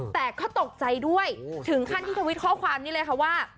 แต่เขาตกใจด้วยถึงขั้นที่ทวิตข้อความนี้เลยค่ะว่า